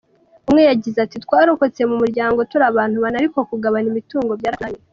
Umwe yagize ati “Twarokotse mu muryango turi abantu bane ariko kugabana imitungo byaratunaniye.